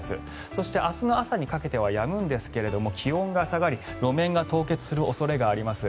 そして、明日の朝にかけてはやむんですが気温が下がり路面が凍結する恐れがあります。